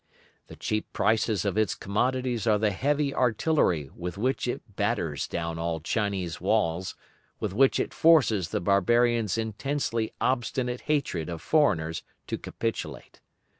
The cheap prices of its commodities are the heavy artillery with which it batters down all Chinese walls, with which it forces the barbarians' intensely obstinate hatred of foreigners to capitulate.